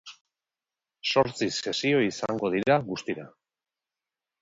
Zortzi sesio izango dira guztira.